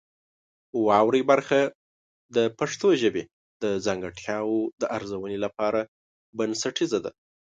واورئ برخه د پښتو ژبې د ځانګړتیاوو د ارزونې لپاره بنسټیزه ده.